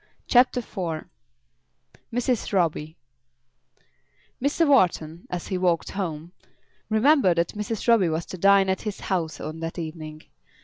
CHAPTER IV Mrs. Roby Mr. Wharton, as he walked home, remembered that Mrs. Roby was to dine at his house on that evening.